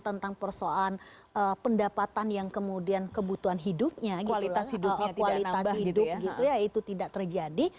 tentang persoalan pendapatan yang kemudian kebutuhan hidupnya kualitas hidupnya tidak terjadi